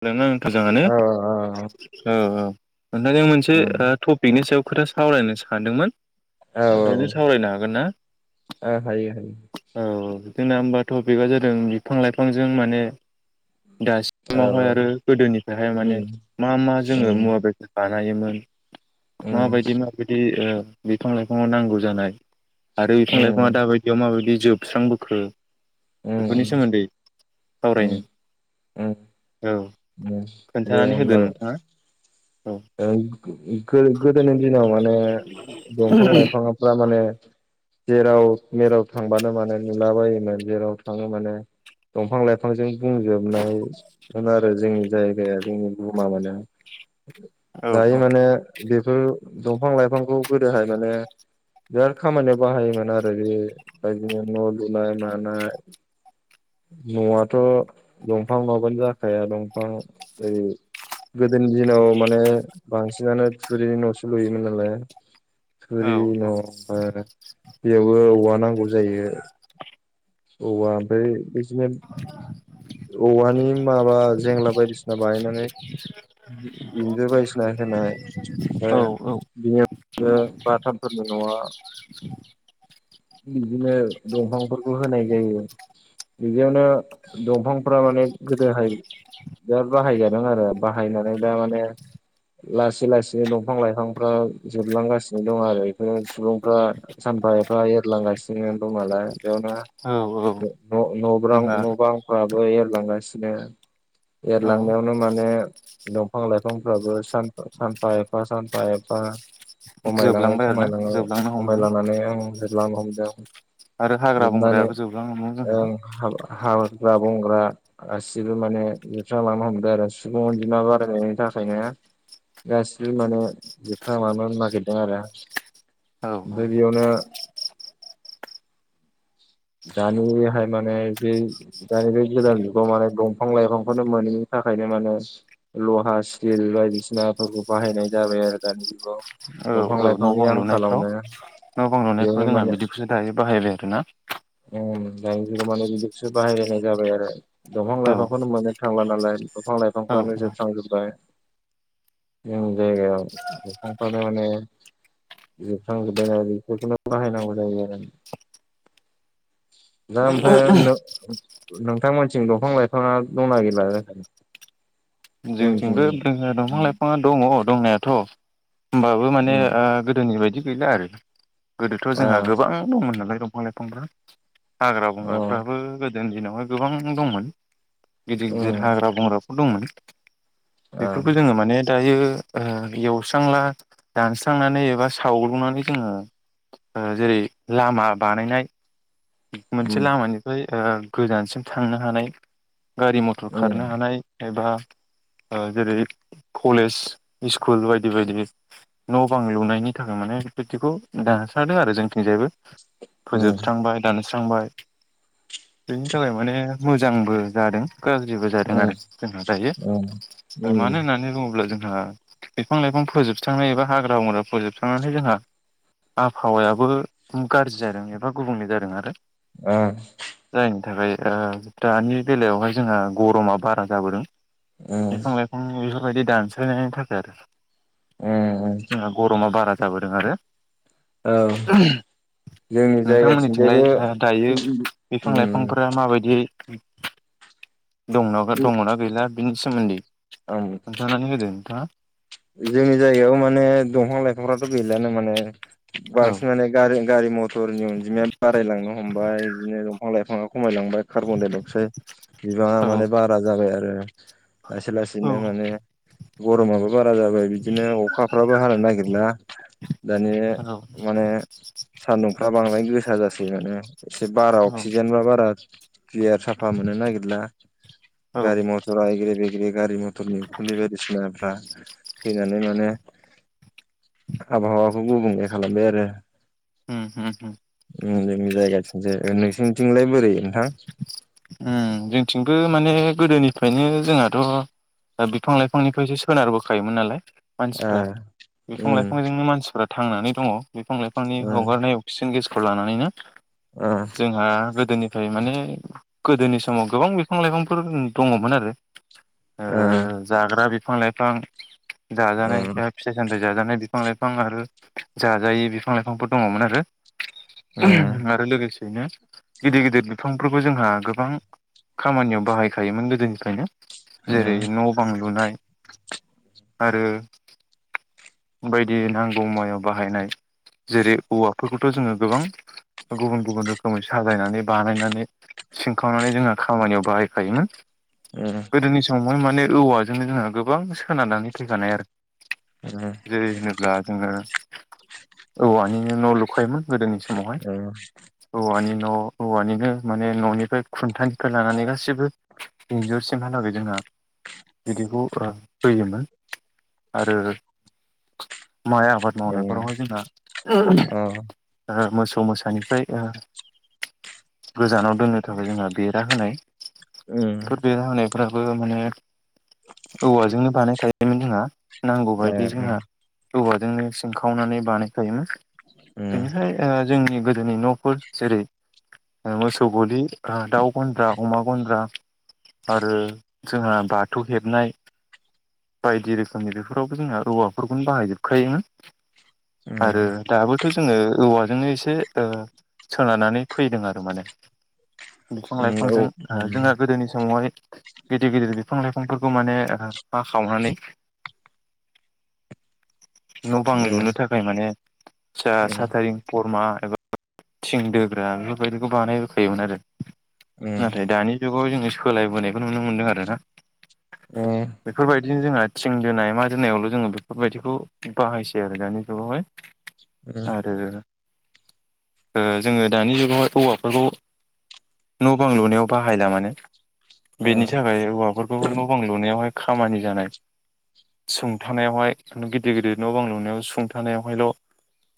नोंङो औ [inaudible] औ औ नोंथांजों मोनसे उम टपिकनि सायाव खोथा सावरायनो सो सान्दोंमोन। औ औ ओ हायो । औ जोंना होमबा टपिकआ जादों बिफां लाइफांजों माने दास औ आसामावहाय औ आरो गोदोनिफ्रायहाय माने उम मा मा जोङो उम मुवा बेसाद थायोमोन उम माबायदि माबायदि ओ बिफां लाइफाङाव नांगौ जानाय आरो बिफां उम लाइफाङा दाबादियाव माबादि जोबस्रांबोखो? उम सोमोन्दै उम सावरायनो उम । औ उम दे खोन्थानानै होदो होनबालाय । नोंथाङा औ ओं। गो गोदोनि दिनाव माने दंफां लाइफांफ्रा माने जेराव मेराव थांबानो माने नुला बायोमोन जेराव थाङो माने दंफां लाइफांजों बुंजोबनायमोन आरो जोंनि जायगाया जोंनि बुहुमा माने । औ दायो औ माने बे बे दंफां लाइफांखौ गोदोहाय माने बिराद खामानियाव बाहायोमोन आरो बे बादिनो न'लुनाय मानाय न'आथ' दंफां नङाबानो जाखाया दंफां ओ गोदोनि दिनाव माने बांसिनानो थुरिनि न'सो लुयोमोन नालाय । औ थुरिनि न'ओमफाय बेयावबो औवा नांगौ जायो । औवा ओमफाय बिदिनो औवानि माबा जेंला बायदिसिना बायनानै इन्जुर बायदिसिना होनाय औ ओमफाय औ बिनि [unintelligible] बाथामफोरनि न'आ बिदिनो दंफांफोरखौ होनाय जायो बिदियावनो दंफांफ्रा माने गोदोहाय बिराद बाहायजादों आरो बाहायनानै दा माने लासै लासै दंफां लाइफांफ्रा जोबलांगासिनो दं आरो बेफोर सुबुंफ्रा सानफा एफा लांगासिनो दं नालाय औ औ बेयावनो न' न'ब्रां जोंहा न'बांफोरा एरलांगासिनो औ एरलांनायावनो माने दंफां लाइफांफ्राबो सान सानफा एफा सानफा एफा खमायलाङै जोबलांबाय आरो ना खमायलाङै जोबलांनो हमदों खमायलांनानै [unintelligible] लांनो हमदों । आरो हाग्रा बंग्रायाबो जोबलांनो हमो जोंहा। ओं हाग्रा बंग्रा गासिबो माने जोबस्रांलांनो हमदों आरो सुबुं अनजिमा बारायनायनि थाखायनो गाससिबो माने जोबस्रांलांनो नागिरदों आरो औ ओमफाय बेयावनो दानिहाय माने बे दानि बे गोदान जुगाव माने दंफां लाइफांखौनो मोनैनि थाखायनो माने लहा स्टिल बायदिसिनाफोरखौ बाहायनाय जाबाय आरो दानि जुगाव। औ दंफां न' लाइफांनि बां लुनायफ्राव आंखालावनो न' बां लुनायफ्राव बेयावनो जोंहा माने बिदिखौसो दायो बाहायबाय आरो ना? उम दानि जुगाव माने बिदिसो बाहायलायनाय जाबाय आरो दंफां औ लाइफांखौनो मोननो थांला नालाय दफां औ लाइफांफ्रानो जोबस्रांजोब्बाय। जोंनि जायगायाव दफांफ्रानो माने जोबस्रांजोबाय नाय बेफोरखौनो बाहायनांगौ जायो आरो। दा औ ओमफ्राय नोंथां मोनथिं दंफां लाइफांङा दंना गैला जाखो? जोंथिंबो [unintelligible] दंफां लाइफाङा दङ दंनायाथ' होमबाबो माने उम ओ गोदोनि बायदि गैला आरो। गोदोथ' आ जोंहा गोबां दंमोन नालाय दं फां लाइफांफोरा हाग्रा अ बंग्राफ्राबो गो जोंनि दिनावहाय गोबां दंमोन। गिदिर गिदिर उम हाग्रा बंग्रा दंमोन। आ बेफोरखौ जोङो माने दायो ओ एवस्रांला दानस्रांनानै एबा सावग्लुंनानै जोङो ओ जेरै लामा बानायनाय मोनसे उम लामानिफ्राय ओ गोजानसिम थांनो हानाय गारि मथर खारनो उम हानाय एबा ओ जेरै कलेज इस्कुल बायदि बायदि न' बां लुनायनि थाखाय माने बैदिखौ दानस्रांदों आरो जोंथिंजायबो उम फोजोबस्रांबाय। दानस्रांबाय बेनि थाखाय माने मोजांबो जादों गाज्रिबो जादों उम आरो जोंहा दायो। उम उम ओ मानो होननानै बुङोब्ला जों ओ बिफां लाइफां फोजोबस्रांनाय एबा हाग्रा बंग्रा फोजोबस्रांनानै जोंहा आबहावायाबो गारजि जादों एबा गुबुंले जादों। आरो ओ थाखाय ओ दानि बेलायावहाय जोंहा गरमा बारा जाबोदों। उम उम बिफां लाइफां [unintelligible] बेफोरबायदि दानस्रायनायनि थाखाय आरो उम जोंहा गर'मा बारा जाबोदों आरो औ जोंनि जायगाथिं लाय ओ दायो बिफां लाइफांफोरा माबायदि [unintelligible] दंनाबा दङना गैला? बिनि सोमोन्दै उम खोनथानानै होदो मा जोंनि जायगायाव माने दंफां लाइफांफ्राथ' गैलानो माने औ बांसिन माने गारों गारि मथरनि अनजिमाया बारायलांनो हमबाय बिदिनो दंफां लाइफाङा खमायलांबाय कारबनडाइ अक्साइद बिबाङा औ माने बारा जाबाय आरो जाया लासै लासैनो औ माने गरमाबो बारा जाबाय बिदिनो अखाफ्राबो हानो नागिरला दानि औ माने सान्दुंफ्रा बांद्राय गोसा जासै माने एसे बारा औ अक्सिजेन बा बारा क्लियार साफा मोननो नागिरला औ गारि मटर आगिर बे बे गारि मट टरनि उखुनि बायदिसिना फ्रा फैनानै माने आबहावाखौ गुबुंले खालामबाय आरो होम होम होम ओम जोंनि जायगाथिंजाय नोंसोरनिथिंलाय बोरै उम जोंथिंबो माने गोदोनिफ्रायनो जोंहाथ' बिफां लाइफांनिफ्रायसो सोनारबोखायोमोन नालाय मानसिफ्रा नोंथां बिफां जों लाइफांजोंनो मानसिफ्रा थांनानै दङ बिफां लाइफांनि हगारनाय अक्सिजेन गेस खौ लानानैनो जोंहा गोदोनिफ्राय माने गोदोनि समाव गोबां बिफां लाइफांफोर दङमोन आरो ओ जाग्रा बे बिफां लाइफां जाजानाय फिथाइ सामथाइ जाजानाय बिफां लाइफां बिफां आरो जाजायै बिफां लाइफांफोर दङमोन आरो आरो लोगोसेयैनो गिदिर गिदिर बि बिफांफोरखौ जोंहा गोबां खामानियाव बाहायखायोमोन गोदोनिफ्रायनो जेरै न' बां लुनाय आरो बायदि नांगौ मुवायाव बाहायनाय जेरै औवाफोरखौथ' जोङो गोबां गुबुन गुबुन रोखोमै साजायनानै बानायनानै सिनखावनानै जोङो खामानियाव बाहायखायोमोन गोदोनि सम ओम मा माने औवाजोंनो जोंहा गोबां सोननानै फैखानाय आरो उम ब्ला जोङो औवानिनो न' लुखायोमोन गोदोनिस मावहाय औवा नि न' औवानिनो माने न'निफ्राय खुन्थानिफ्राय लानानै गासिबो इन्जुरसिमहालागै जोंहा बिदिखौ होयोमोन आरो माइ आबाद मावनायफोरावहाय जोंना ओ मोसौ मोसौ मोसानिफ्राय गोजानाव दोननो थाखाय जोंहा बेरा होनाय ओम दाबो माने औवाजोंनो बानायखायोमोन जोंहा ना ए ओम औवाजोंनो सिंखावनानै बानायखायोमोन बेनिखाय ओ जोंनि गोदोनि न'फोर जेरै ओ मोसौ गलि ओ दाउ गन्द्रा अमा गन्द्रा आरो जोंहा बाथौ हेबनाय बायदि रोखोमनि बेफोरावबो जोंहा औवाफोरखौनो बाहायजोबखायोमोन आरो दाबो थ' जोङो औवाजोंनो एसे ओ सोनारानानै फैदों आरो माने बिफां लाइफांजों ओ जोंहा गोदोनि समावहाय गिदिर गिदिर बिफां लाइफांफोरखौ माने ओ हाखावनानै न' बां लुनो थाखाय माने आतसा सतारिं फरमा एबा थिं दोग्रा बेफोरबायदिखौ बानायबोखायोमोन आरो नाथाय दानि जुग खौ जोङो सोलायबोनायखौ नुनो मोन्दों आरो ना बेफोरबायदिनो जोंङो थिंदोनाय मा दोनायावल' जोङो बेफोरबायदिखौ बाहायसै आरो दानि जुगावहाय आरो ओ जोङो दानि जुगावहाय औवाफोरखौ न' बां लुनायाव बाहायला माने बेनि थाखाय औवाफोरखौ न' बां लुनायावहाय खामानि जानाय सुंथानायावहाय गिदिर गिदिर न' बां लुनायाव सुंथानायावहायल'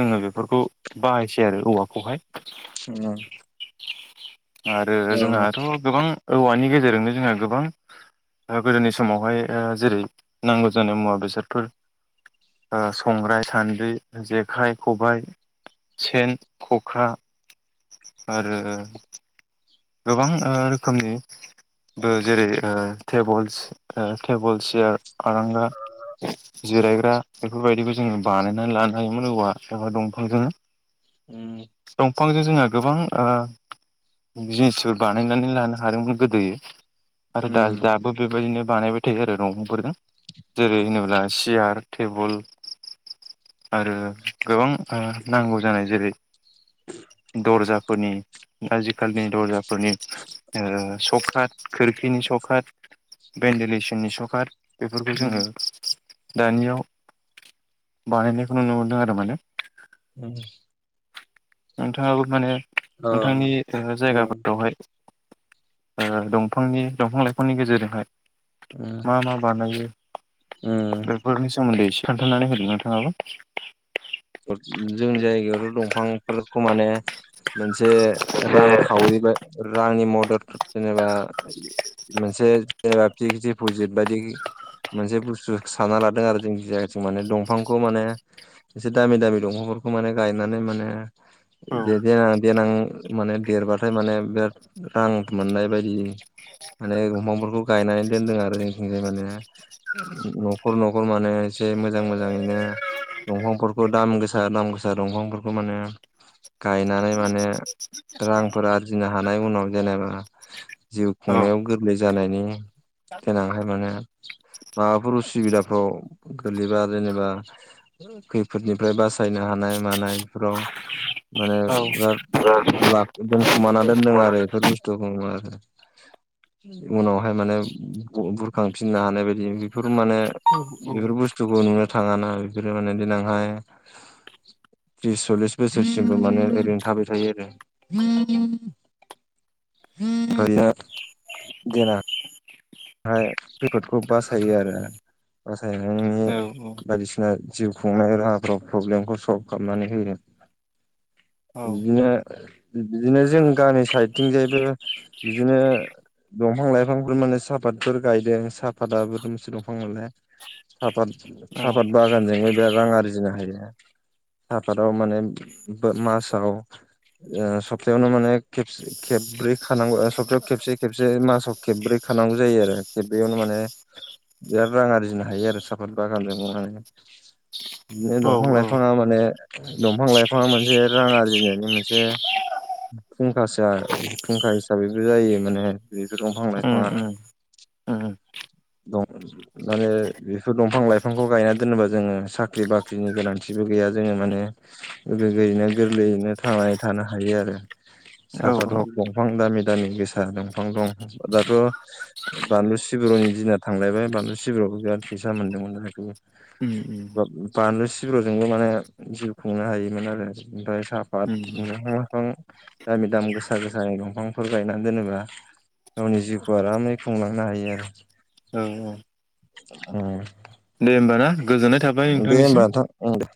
जोङो बेफोरखौ बाहायसै आरो औवाखौहाय [inaudible] आरो जोंहाथ' गोबां औवानि गेजेराव ओरैनो जों गोबां ओ गोदोनि समावहाय जेरै नां जानाय मुवा बेसादफोर ओ संग्राय, सान्द्रि, जेखाइ, खबाइ, सेन, खखा, आरो गोबां रोखोमनिबो जेरै ओ टेबोल सियार आरांगा जिरायग्रा बेफोरबायदिखौ जोङो बानायनानै लानो हायोमोन औवा दंफां जोङो उम बिफांजों जोङो गोबां ओ जिनिसफोर बानायनानै लानो हादोंमोन गोदो आरो दा दाबो बेबायदिनो बानायबाय थायो आरो दंफां फोरखौ जेरै होनोब्ला सियार टेबोल आरो गोबां ओ नांगौ जानाय जेरै दरजा आजिखालिनि दरजाफोरनि सकात खोरखिनि सकात भेन्टिलेसननि सकात जोङो दानियाव बानायनायखौ नुनो मोनदों आरो माने उम नोंथांङाबो माने नोंथांनि जायगाफोरावहाय दंफांनि दंफां लाइफांनि गेजेरजोंहाय मा मा बानायो बेफोरनि सोमोनदै खोन्थानानै होदों नोंथांङाबो जोंनि जायगायावथ' दंफांफोरखौ माने मोनसे रां खावरिबाय रांनि मद द जेनेबा मोनसे जेनेबा फिक्स दिपजिट बायदि मोनसे बुस्थु सानना लादों आरो जों जाय माने दंफांखौ माने एसे दामि दामि दंफांफोरखौ माने गायनानै माने औ [inaudible] देनां माने देरबाथाय माने बिराद रां मोननाय बायदि माने दंफांफोरखौ गायनानै दोनदों आरो जोंनिथिंजाय माने न'खर न'खर माने एसे मोजां मोजाङैनो दंफां फोरखौ दाम गोसा दाम गोसा दंफांफोरखौ माने गायनानै माने रांफोर आरजिनो हानाय उनाव जेनेबा जिउ औ खुंनायाव गोरलै जानायनि गेनांहाय माने माबाफोर उसुबिदाफ्राव गोग्लैबा जेनेबा खै फोदनिफ्राय बासायनो हानाय मानायफोराव माने औ [unintelligible] लाख दोमखुमाना दोनदों आरो बेफोर बुस्थुखौ आरो उनावहाय माने बुरखांफिननो हानाय बायदि बेफोर माने औ बेफोर बुस्थुखौ नुनो थाङाना बेफोरो माने देनां फाय त्रिस सल्लिस बोसोरसिमबो माने ओरैनो थाबाय थायो आरो [unintelligible] फाय खैफोदखौ बासायो आरो बासायनानि बायदिसिना जिउ खुंनाय राहाफोराव प्रब्लेमखौ सल्फ खामनानै होगोन बिदिनो बिदिनो जों गामि साइडथिंजायबो बिदिनो दंफां-लाइफांफोर माने सा पातफोर गायदों सापाताबो मोनसे दंफां मोनलाय सापात सापात बागानजोंनो बिराद रां आरजिनो हायो सापादाव माने मासाव सप्तायावनो माने खेब खेबब्रै खानांगौ सप्तायाव खेबसे खेबसे मासाव खेबब्रै खानांगौ जायो आरो बेयावनो माने बिराद रां आरजिनो हायो आरो सापात बागानजों माने बिदिनो औ दंफां औ लाइफाङा माने दंफां लाइफाङा मोनसे रां आरजिनायनि मोनसे फुंखासोआ फुंखा हिसाबैबो जायो माने बेबो दंफां उम लाइफाङा। उम दं माने बेफोर दंफां लाइफांखौ गायना दोनोबा जोङो साख्रि बाख्रिनि गोनांथिबो गैया जोङो माने गोग्गोयैनो गोरलैयैनो थांनानै थानो हायो आरो औ औ सापात हक दंफां दामि दामि गोसा दंफां दं दाथ' बानलु सिब्रुनि दिना थांलायबाय बानलु सिब्रुआवबो बिराद फैसा मोनदोंमोन जाहाथु उम उम बानलु सिब्रुजोंबो माने जिउ खुंनो हायोमोन आरो ओमफ्राय सापात उम दंफां लाइफां दामि दाम गोसा गोसानि दंफांफोर गायनानै दोनोबा गावनि जिउखौ आरामै फुंलांनो हायो आरो औ ओम। दे होमबा ना? गोजोननाय थाबाय दे नोंथांनिसिम ओमबा [unintelligible] दे उम दे।